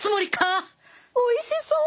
おいしそう。